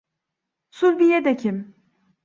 Sulbiye de kim?